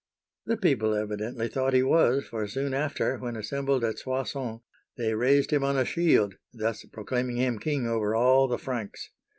" The people evidently thought he was, for soon after, when assembled at Soissons, they raised him on a shield, thus proclaiming him king over all the Franks.